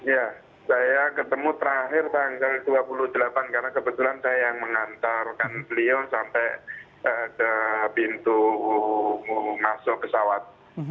ya saya ketemu terakhir tanggal dua puluh delapan karena kebetulan saya yang mengantarkan beliau sampai ke pintu masuk pesawat